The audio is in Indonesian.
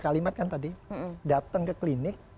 kalimat kan tadi datang ke klinik